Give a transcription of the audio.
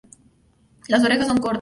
Las orejas son cortas.